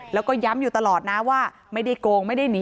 แล้วก็ย้ำอยู่ตลอดนะว่าไม่ได้โกงไม่ได้หนี